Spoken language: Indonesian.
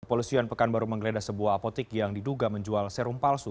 polisi yang pekanbaru menggeledah sebuah apotek yang diduga menjual serum palsu